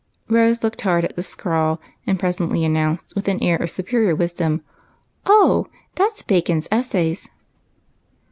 Rose looked hard at the scrawl, and j^resently an nounced, with an air of superior wisdom, —" Oh, that 's ' Bacon's Essays.'